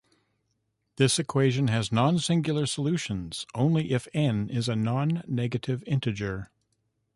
This equation has nonsingular solutions only if "n" is a non-negative integer.